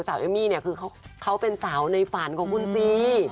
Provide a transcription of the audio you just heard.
สาวเอมมี่คือเขาเป็นสาวในฝ่านของคุณซี